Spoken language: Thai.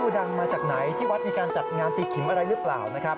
ดังมาจากไหนที่วัดมีการจัดงานตีขิมอะไรรึเปล่า